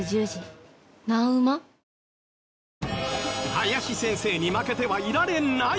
林先生に負けてはいられない！